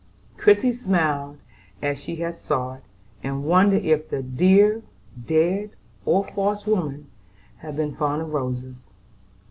Christie smiled as she saw it, and wondered if the dear, dead, or false woman had been fond of roses.